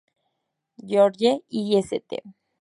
George y St.